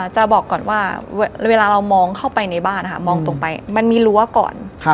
จะบอกก่อนว่าเวลาเรามองเข้าไปในบ้านนะคะมองตรงไปมันมีรั้วก่อน